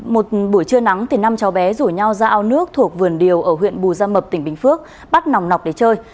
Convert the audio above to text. một buổi trưa nắng thì năm cháu bé rủ nhau ra ao nước thuộc vườn điều ở huyện bù gia mập tỉnh bình phước bắt nòng nọc để chơi